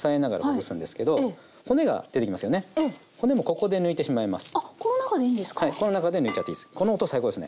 この中で抜いちゃっていいっす。